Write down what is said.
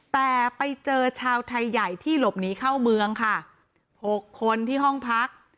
แต่ไปเจอชาวไทยใหญ่ที่หลบหนีเข้าเมืองค่ะ๖คนที่ห้องพัก